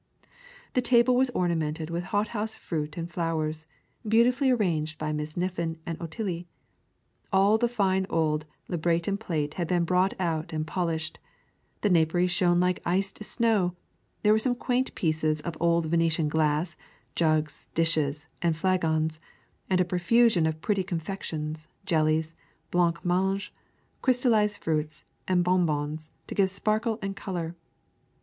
The table was ornamented with hot house fruit and flowers, beautifully arranged by Miss Niffin and Otillie. All the fine old Le Breton plate had been brought out and polished, the napery shone like iced snow, there were some quaint pieces of old Venetian glass, jugs, dishes, and flagons, and a profusion of pretty confections, jellies, blanc manges, crystallized fruits, and bonbons, to give sparkle and color.